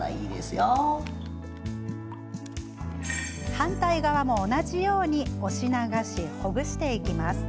反対側も同じように押し流しほぐしていきます。